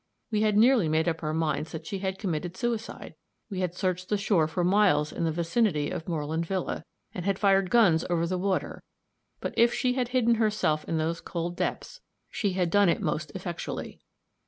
We had nearly made up our minds that she had committed suicide; we had searched the shore for miles in the vicinity of Moreland villa, and had fired guns over the water; but if she had hidden herself in those cold depths, she had done it most effectually.